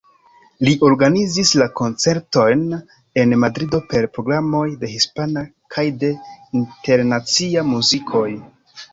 Li organizis la koncertojn en Madrido per programoj de hispana kaj de internacia muzikoj.